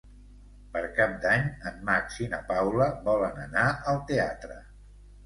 Per Cap d'Any en Max i na Paula volen anar al teatre.